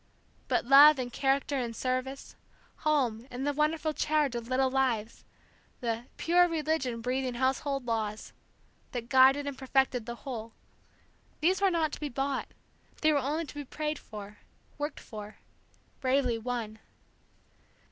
But love and character and service, home and the wonderful charge of little lives, the "pure religion breathing household laws" that guided and perfected the whole, these were not to be bought, they were only to be prayed for, worked for, bravely won.